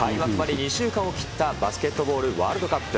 開幕まで２週間を切ったバスケットボールワールドカップ。